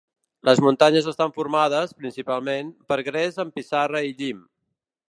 Les muntanyes estan formades, principalment, per gres amb pissarra i llim.